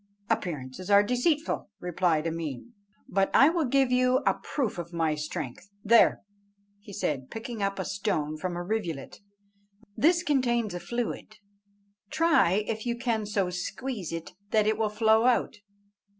"Appearances are deceitful," replied Ameen, "but I will give you a proof of my strength. There," said he, picking up a stone from a rivulet, "this contains a fluid; try if you can so squeeze it that it will flow out."